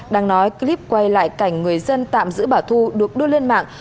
đang nói clip quay lại cảnh người dân tạm giữ bà thu được đưa lên mạng